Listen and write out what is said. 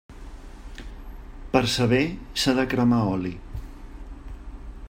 Per saber, s'ha de cremar oli.